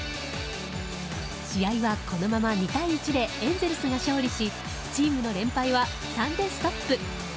試合はこのまま２対１でエンゼルスが勝利しチームの連敗は３でストップ。